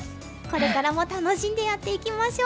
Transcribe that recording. これからも楽しんでやっていきましょう！